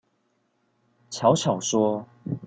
悄悄說